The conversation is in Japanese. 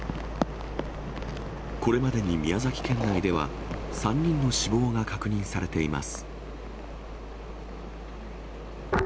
これまでに宮崎県内では、３人の死亡が確認されています。